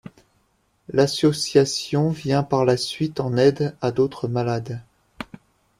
L'association vient par la suite en aide à d'autres malades.